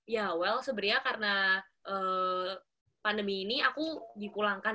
ya well sebenarnya karena pandemi ini aku di kulangkabung